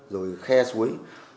rồi khe suối